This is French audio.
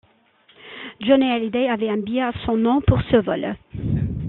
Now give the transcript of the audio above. Johnny Hallyday avait un billet à son nom pour ce vol.